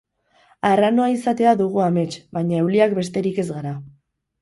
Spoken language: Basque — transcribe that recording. Arranoa izatea dugu amets, baina euliak besterik ez gara.